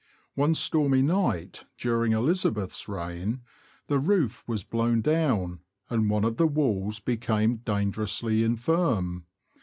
One stormy night during Elizabeth's reign the roof was blown down and one of the walls became dangerously infirm.